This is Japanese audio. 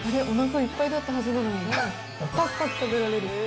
おなかいっぱいだったはずなのに、ぱくぱく食べられる。